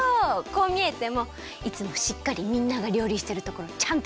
こうみえてもいつもしっかりみんなが料理してるところちゃんとみてるからね！